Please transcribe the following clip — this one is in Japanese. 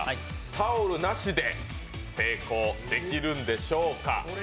タオルなしで成功できるんでしょうか。